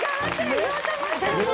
言おうと思ってました？